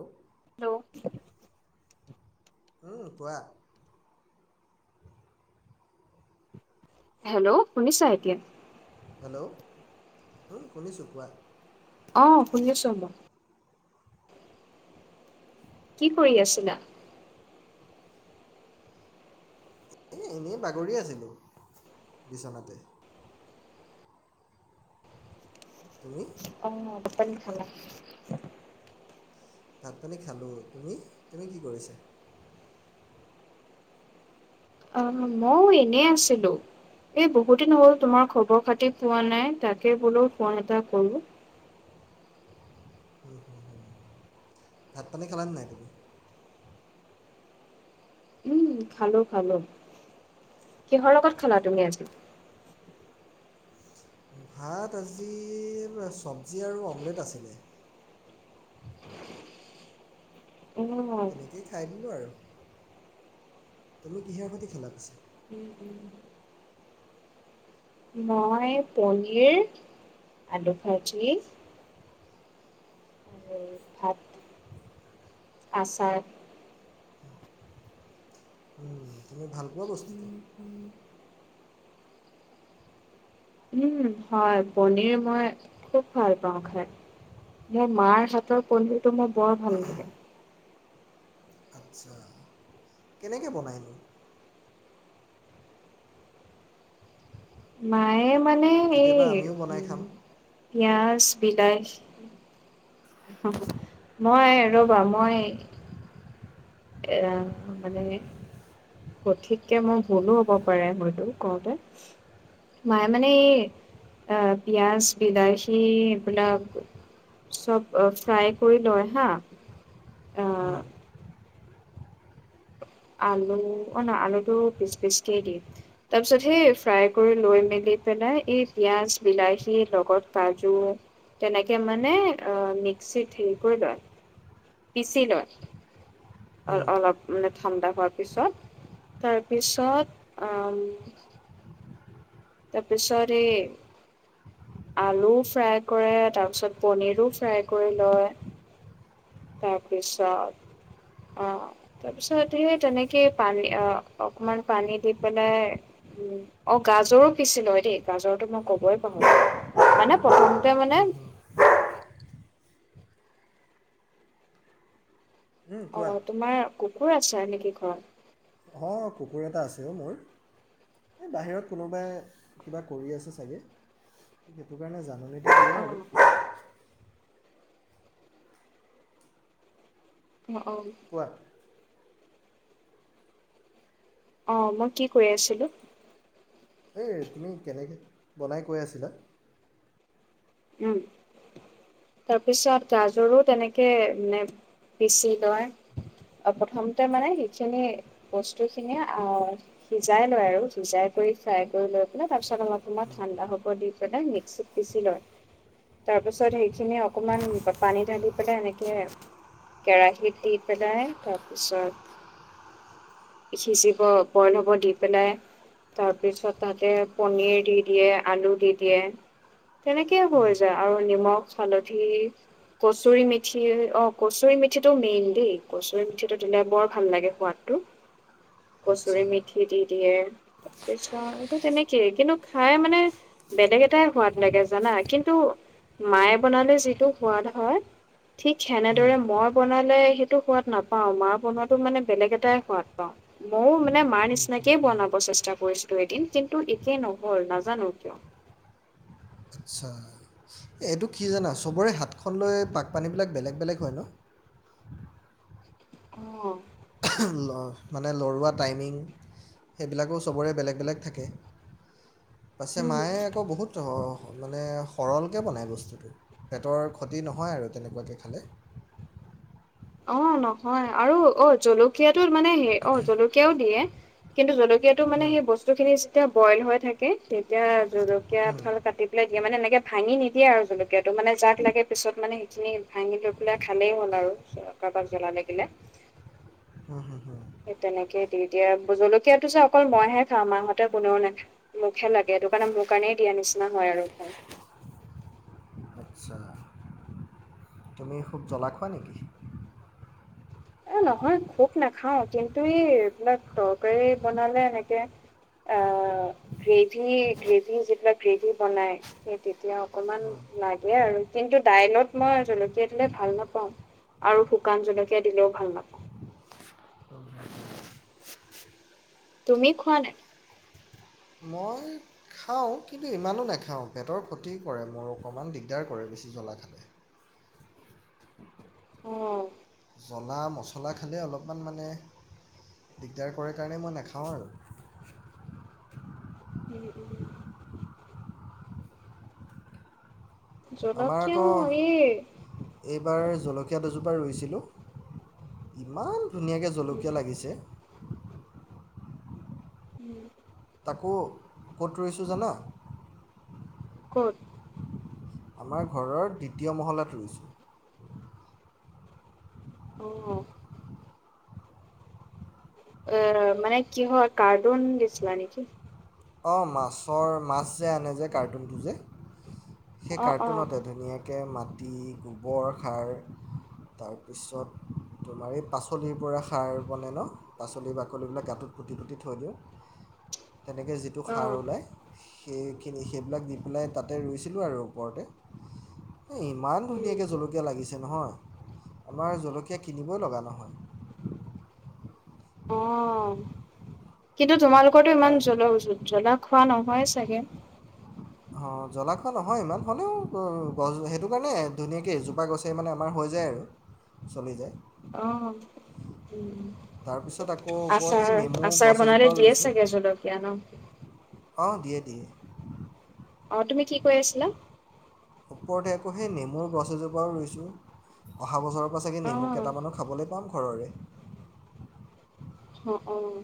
অ hello উম কোৱা hello শুনিছা এতিয়া হেল্ল' শুনিছোঁ কোৱা অ শুনি আছো মই কি কৰি আছিলা এ এনেই বাগৰি আছিলোঁ বিচনাতে তুমি অ আ প চান ভাত পানী খালোঁ তুমি তুমি কি কৰিছা আহ মইও এনে আছিলো এই বহু দিন হ'ল তোমাৰ খবৰ খাতি পোৱা নাই তাকে বোলো ফোন এটা কৰো ভাত পানী খালা নাই। উম খালো খালো কিহৰ লগত খালা তুমি আজি ভাত আজি চব্জি আৰু অমলেট আছিলে অ' তেনেকেই খাই দিলোঁ আৰু তুমি কিহৰ খতি খালাপিছে মই পনীৰ আলু ভাজি আৰু ভাত আচাৰ তুমি ভাল পোৱা বস্তু ন উম হয় পনিৰ মই খুব ভাল পাওঁ খাই মাৰ হাতৰ পনিৰ তটো মই বৰ ভাল লাগে আচ্ছা কেনেকৈ বনাইনোঁ মায়ে মানে এই কেতিয়াবা আমিও উ বনাই খাম পিয়াজ বিলাই হ মই ৰ'বা মই এ মানে সঠিককে মই ভুলো হ'ব পাৰে হয়তো কওঁতে মায়ে মানে এই আহ পিাজ বিলাহী এইবিলাক চব ফ্ৰাই কৰি লয় হা আহ উম, আলু অ ন আলুটো পিচ পিচকেই দিয়ে তাৰ পিছত সেই ফ্ৰাই কৰি লৈ মেলি পেলাই এই পিঁয়াজ বিলাহী লগত কাজু তেনেকে মানে আহ মিক্সিত হেৰি কৰি লয় পিছিলয় উম, অলপ মানে ঠাণ্ডা হোৱাৰ পিছত তাৰপিছত তাৰপিছত এই আলুও ফ্ৰাই কৰে, তাৰপিছত পনীৰো ফ্ৰাই কৰি লয়, তাৰপিছত অ তাৰপিছত সেই তেনেকে পানী অকমান পানী দি পেলাই উম, অ গাজৰো [unintelligible] ছিলো হয় দেই, গাজৰটো মই ক'বই পাহৰিছো, মানে প্ৰথমতে মানে উম, উম। উম, কোৱা অ' তোমাৰ কুকুৰ আছে নেকি ঘৰত? অঁ কুকুৰ এটা আছে অ' মোৰ, এই বাহিৰত কোনোবাই কিবা কৰি আছে চাগে সেইটো কাৰণে যাব অঁ [unintelligible] অ' কোৱা অঁ মই কি কৈ আছিলো? এই তুমি কেনেকে বনাই কৈ আছিলা। উম, তাৰপিছত গাজৰো তেনেকে মানে পিচি লয় আৰু প্ৰথমতে মানে সেইখিনি বস্তু খিনি আহ সিজাই লয় আৰু সিজাই কৰি ফ্ৰাই কৰি লৈ পেলাই তাৰ পিছত অলপ অলপ ঠাণ্ডা হ'ব দি পেলাই মিক্সিত পিচি লয়। তাৰ পিছত সেইখিনি অকমান পানী ঢালি পেলাই এনেকে কেৰাহিত দি পেলাই তাৰপিছত সিজিব বইল হব দি পেলাই তাৰপিছত তাতে পনীৰ দি দিয়ে, আলু দি দিয়ে, তেনেকে তেনে হৈ যায় আৰু নিমখ হালধি কচুৰি মেঠি অ কচুৰি মেঠিটো মেইন দেই কচুৰি মিঠিটো দিলে বৰ ভাল লাগে সোৱাদটো, আচ্ছা কচুৰি মেঠি দি দিয়ে তাৰপিছত এটো তেনেকেই, কিন্তু খাই মানে বেলেগ এটাই সোৱাদ লাগে জানা কিন্তু মায়ে বনালে যিটো সোৱাদ হয়, ঠিক হুম, সেনেদৰে মই বনালে সেইটো সোৱাদ নাপাওঁ মা বনোৱাটো মানে বেলেগ এটাই সোৱাদ পাওঁ, মযও মানে মাৰ নিচিনাকেই বনাব চেষ্টা কৰিছিলো এদিন, কিন্তু একেই নহ'ল নাজানো কিয়। আচ্ছা, এই এইটো কি জানা, চবৰে হাতখন লৈ পাকপানীবিলাক বেলেগ বেলেগ হয় ন। অঁ। মানে লৰোৱা টাইমিং সেইবিলাকো চবৰে বেলেগ বেলেগ থাকে। পাছে উম। মায়ে আকৌ বহুত মানে সৰলকৈ বনায় বস্তুটো, পেটৰ ক্ষতি নহয় আৰু তেনেকুৱাকৈ খালে। অঁ নহয় আৰু অঁ জলকীয়াটো মানে হে অঁ জলকীয়াও দিয়ে, কিন্তু জলকীয়া জলকীয়া তো মানে হুম, সেই বস্তু খিনি তেতিয়া বইল হৈ থাকে তেতিয়া জলকীয়া এফাল কাটি পেলাই দিয়ে মানে এনেকে ভাঙি নিদিয়ে আৰু জলকীয়াটো মানে যাক লাগে পিছত মানে সেইখিনি ভাঙি লৈ পেলাই খালেই হ'ল আৰু। কাৰোবাক জ্বলা লাগিলে, সেই তেনেকেই দি এয়া জলকীয়াটো যে অকল মইহে খাও মাহঁতে কোনেও মুখহে লাগে সেইটো কাৰণে মোৰ কাৰণেই দিয়া নিচিনা হয় আৰু ভাল আচ্ছা তুমি খুব জলা খোৱা নেকি? এ নহয় খোব নাখাওঁ কিন্তু এই এইবিলাক তৰকাৰী বনালে এনেকে আহ গ্ৰেভি-গ্ৰেভি যিবিলাক গ্ৰেভিবনাই সেই তেতিয়া অকমান লাগে আৰু কিন্তু দাইলত মই জলকীয়া দিলে ভাল নাপাওঁ আৰু শুকান জলকীয়া দিলেও ভাল নাপাওঁ। তুমি খোৱা নাই? মই খাওঁ কিন্তু ইমানো নাখাওঁ, পেটৰ ক্ষতি কৰে মোৰ অকণমান দিগদাৰ কৰে বেছি জ্বলা খালে। অঁ। জ্বলা, মছলা খালে অলপমান মানে, দিগদাৰ কৰে কাৰণে মই নাখাওঁ আৰু। উম উম। আমাৰ জলকীয়া আকৌ, এই এইবাৰ জলকীয়া দুজোপ পা ৰুইছিলোঁ, ইমান ধুনীয়াকৈ জলকীয়া লাগিছে। উম আকৌ, ক'ত ৰুইছোঁ জানা? ক'ত? আমাৰ ঘৰৰ দ্বিতীয় মহলাত ৰুইছোঁ। অঁ এ মানে কিহত, কাৰ্টুন দিছিলা নেকি? অঁ মাছৰ মাছ যে আনে যে, কাৰ্টুনটো যে। সেই অঁ অঁ কাৰ্টুনতে ধুনীয়া কে মাটি, গোবৰ, সাৰ তাৰপিছত তোমাৰ এই পাঁচলিৰ পৰা সাৰ বনে ন? পাচলিৰ বাকলিবিলাক গাঁতত পুতি-থুতি থৈ দিও। তেনেকে যিটো অঁ সাৰ ওলায় সেইখিনি সেইবিলাক দি পেলাই তাতে ৰুইছিলোঁ আৰু ওপৰতে। এই ইমান ধুনীয়াকৈ জলকীয়া লাগিছে নহয় আমাৰ জলকীয়া কিনিবই লগা নহয়। অ', কিন্তু তোমালো কৰটো তাৰ ইমান জ্বল জ্ব জ্বলা খোৱা নহয় ছাগে। অ', জ্বলা খোৱা নহয় ইমান, হ'লেও গ-গছ সেইটো কাৰণে ধুনীয়াকৈ এজোপা গছেই মানে আমাৰ হৈ যায় আৰু, চলি যায়। অ', উম। তাৰপিছত আকৌ ওপৰত আচাৰ, সেই নেমু গছ আচাৰ এজোপাও বনালে দিয়ে ছাগে জলকীয়া ন'? অ', দিয়ে দিয়ে। অ', তুমি কি কৈ আছিলা? ওপৰতে আকৌ সেই নেমুৰ গছ এজোপাও ৰুইছোঁ অহা বছৰ ছাগে অ নেমু কেইটামানো খাবলৈ পাম। ঘৰৰে অ', অ'।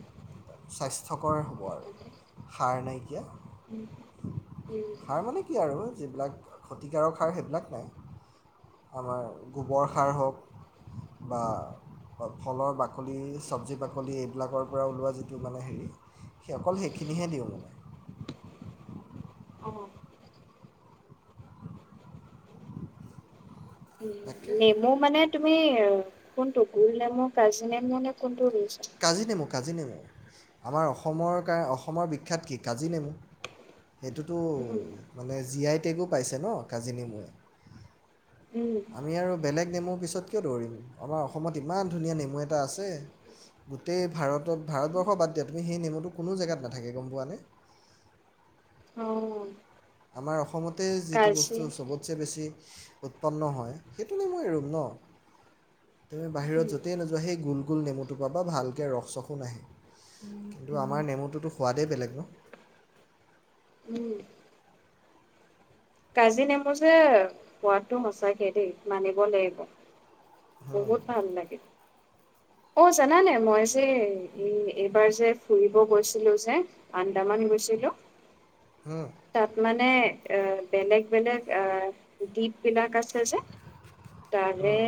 স্বাস্থ্যকৰ হোৱাৰ, সাৰ নাইকিয়া, উম, উম, সাৰ মানে কি আৰু যিবিলাক ক্ষতিকাৰক সাৰ সেইবিলাক নাই, আমাৰ গোবৰ সাৰ হওঁক বা ফ-ফলৰ বাকলি, সব্জি বাকলি এইবিলাকৰ পৰা ওলোৱা যি টো মানে হেৰি, সেই অকল সেইখিনিহে দিওঁ মানে। অ'। উম, তাকে নেমু মানে তুমি কোনটো? গোল নেমু, কাজি নেমু নে কোনটো বিধ? কাজি নেমু কাজি নেমু আমাৰ অসমৰ কাৰ অসমৰ বিখ্যাত কি কাজি নেমু। সেইটোতো উম মানে জি আই টেগো পাইছে ন' কাজি নেমুয়ে। উম আমি আৰু বেলেগ নেমুৰ পিছত কিয় দৌৰিম, আমাৰ অসমত ইমান ধুনীয়া নেমু এটা আছে গোটেই ভাৰতত ভাৰতবৰ্ষ বাদ দিয়া তুমি সেই নেমুটো কোনো জেগাত নাথাকে গম পোৱা নে? অ'। আমাৰ অসমতে যিটো কাজি বস্তু চবতচে বেছি উৎপন্ন হয় সেইটো নেমুয়ে ৰুম ন'। তুমি বাহিৰত উম য'তেই নোযোৱা সেই গোল গোল নেমুটো পাবা ভালকৈ ৰস চসো নাই কিন্তু আমাৰ নেমুটোতো সোৱাদেই বেলেগ ন'। উম। কাজি নেমু যে সোৱাদটো সঁচাকে দেই মানিব লাগিব। বহুত ভাল লাগে। অ', জানানে মই যে এইবাৰ যে ফুৰিব গৈছিলো যে আন্দামান গৈছিলো। হুম তাত মানে আহ বেলেগ বেলেগ আহ দ্বীপ বিলাক আছে যে তাৰে হুম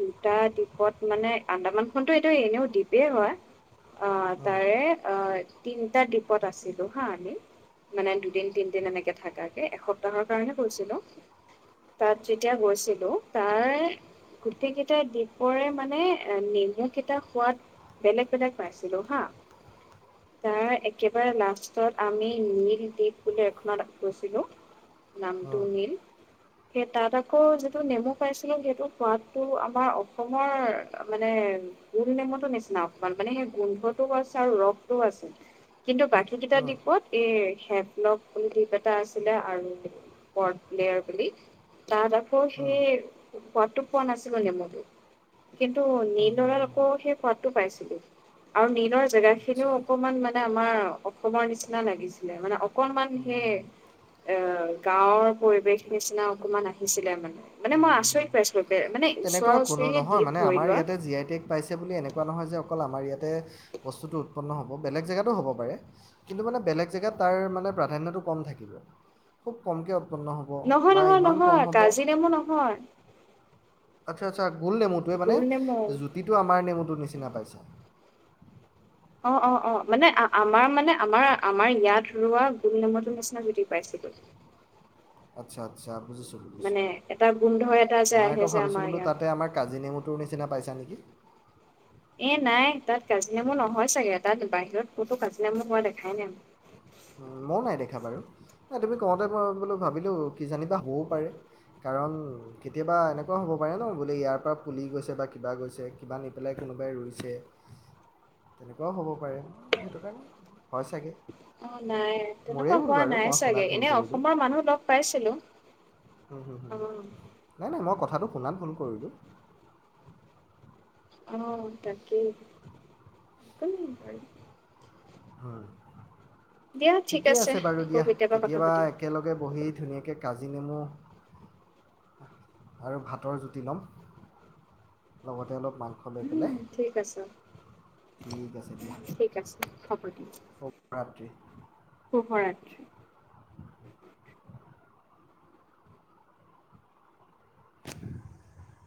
দু টা দ্বীপত মানে আন্দামান খনতো এইটো এনেও দ্বীপেই হয় অ তাৰে অ তিনিটা দ্বীপত আছিলো হা আমি মানে দুদিন তিনদিন এনেকে থাকাকে এসপ্তাহৰ কাৰণে গৈছিলো তাত যেতিয়া গৈছিলো তাৰ গোটেই কেইটা দ্বীপৰে মানে নেমু কেইটাৰ সোৱাদ বেলেগ বেলেগ পাইছিলো হা তাৰ একেবাৰে লাষ্টত আমি নীল দ্বীপ বুলি এখনত গৈছিলো নামটো হুম হুম নীল সেই তাত আকৌ যিটো নেমু পাইছিলো সেইটো সোৱাদটো আমাৰ অসমৰ মানে গোল নেমুটো নিচিনা অকমান মানে সেই গোন্ধটোও আছে আৰু ৰসটোও আছে কিন্তু বাকী হুম কেইটা হুম হুম হুম দ্বীপত এ হেভলোক বুলি দ্বীপ এটা আছিলে আৰু প'ৰ্ট ব্লেয়াৰ বুলি তাত আ কৌ সেই সোৱাদটো পোৱা নাছিলো নেমুটো কি ন্তু হুম হুম হুম হুম নীলত আকৌ সেই সোৱাদ টো পাইছিলো আৰু নীলৰ জেগা খিনিও অকমান মানে মানে আমাৰ অসমৰ নিচিনা লাগিছিলে মানে অকনমান সেই এহ গাঁৱৰ পৰিৱেশ নিচিনা অকমান আহিছিলে মানে মানে উম মই উম আচৰিত উম পাইছো মানে এ ওচৰা তেনেকুৱা কোনো ওচৰিয়ে নহয় দ্বীপ মানে ধৰি আমাৰ লোৱা ইয়াতে জি আই টেগ পাইছে বুলি এনেকুৱা নহয় যে অকল আমাৰ ইয়াতে বস্তুটো উৎপন্ন হ'ব বেলেগ জেগাতো হ'ব পাৰে কিন্তু মানে বেলেগ জেগাত তাৰ মানে প্ৰাধান্যটো কম থাকিব খুব কমকে উৎপন্ন হ'ব বা ইমান কম হ'ব হয় আচ্ছা আচ্চা ভুল নেমুটোৱে মানে জুতিটো আমাৰ নেমুটোৰ নিচিনা পাইছ অ অ অ মানে আমাৰ মানে আমাৰ আমাৰ ইয়াত ৰোৱা গুল নম নিচিনা যদি পাইছিলো আচ্ছা আচ্ছা বুজিছোঁ বুজিছোঁ মানে এটা গোন্ধ এটা যে মই আহে আকৌ যে ভাবিছোঁ আমাৰ বোলো ইয়াত তাতে আমাৰ কাজি নেমুটোৰ নিচিনা পাইছা নেকি এ নাই তাত কাজ নামু নহয় চাগে তাত বাহিৰত ক'তো কাজি নামু হোৱা দেখাই নাই ময়ো নাই দেখা বাৰু নাই তুমি কওঁতে মই বোলো ভাবিলোঁ কিজানিবা হ'বও পাৰে কাৰণ কেতিয়াবা এনেকুৱাও হ'ব পাৰে ন বোলে ইয়াৰ পৰা পুলি গৈছে বা কিবা গৈছে কিবা নি পেলাই কোনোবাই ৰুইছে তেনেকুৱাও হ'ব পাৰে সেইটো কাৰণে হয় চাগে অ নাই মোৰেই তেনেকুৱা ভুল হোৱা বাৰু নাই মই শুনাত চাগে ভুল এনে অসমৰ মানুহ লগ পাইছিলো উম হুম অ হুম নাই নাই মই কথা কথাতো শুনাত ভুল কৰিলোঁ আহ তাকেই হয় দিয়া ঠিক ঠিকে আছে বাৰু আকৌ দিয়া কথা কেতিয়াবা পাতিম একেলগে বহি ধুনীয়াকৈ কাজি নেমু আৰু ভাতৰ জুতি ল'ম লগতে তাতে অলপ মাংস লৈ উম ঠিক আছে পেলাই ঠিক আছে দিয়া ঠিক আছে হব দিয়া শুভৰাত্ৰি শুভৰাত্ৰি [unintelligible]